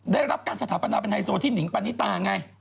ได้รับการสถาปนาเป็นไฮโซที่หนิงปณิตาไง